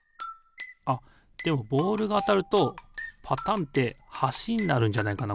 あっでもボールがあたるとパタンってはしになるんじゃないかな？